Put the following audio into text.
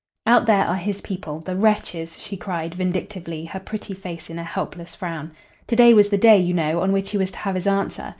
"Out there are his people, the wretches!" she cried, vindictively, her pretty face in a helpless frown. "To day was the day, you know, on which he was to have his answer.